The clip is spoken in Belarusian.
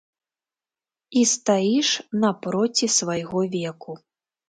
І стаіш напроці свайго веку.